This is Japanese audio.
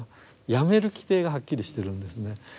やめる規定がはっきりしてるんですね。